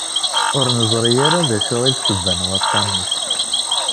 Ur nezṛi ara d acu i d ssebba n waṭṭan-is.